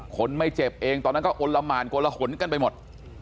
คนไม่เจ็บเองตอนนั้นก็อลละหมานโกละหนกันไปหมด